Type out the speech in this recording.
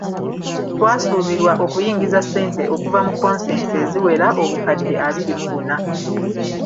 Twasuubirwa okuyingiza ssente okuva mu consents eziwera obukadde abiri mu buna.